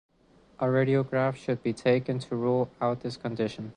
A radiograph should be taken to rule out this condition.